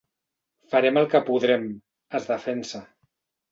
Farem el que podrem —es defensa—.